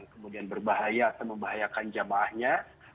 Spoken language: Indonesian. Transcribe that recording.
kemudian berbahaya atau membahayakan jamaahnya